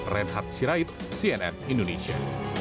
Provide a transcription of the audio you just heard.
reinhard sirait cnn indonesia